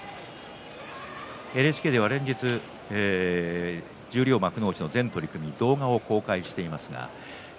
ＮＨＫでは連日十両幕内の全取組動画を公開しています。